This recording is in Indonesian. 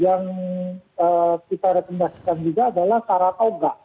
yang kita rekomendasikan juga adalah cara atau enggak